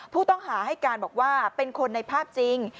ผู้ต้องหาให้การบอกว่าเป็นคนในภาพจริง